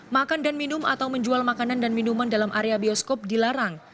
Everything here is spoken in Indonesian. makan dan minum atau menjual makanan dan minuman dalam area bioskop dilarang